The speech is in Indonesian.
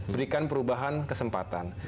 berikan perubahan kesempatan